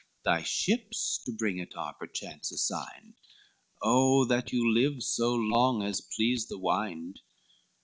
Thy ships to bring it are, perchance, assigned, Oh, that you live so long as please the wind!